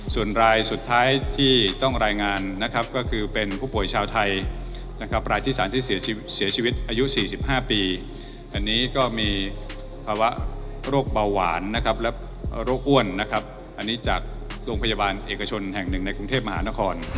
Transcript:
ส่วนรายสุดท้ายที่ต้องรายงานนะครับก็คือเป็นผู้ป่วยชาวไทยนะครับรายที่๓ที่เสียชีวิตอายุ๔๕ปีอันนี้ก็มีภาวะโรคเบาหวานนะครับและโรคอ้วนนะครับอันนี้จากโรงพยาบาลเอกชนแห่งหนึ่งในกรุงเทพมหานคร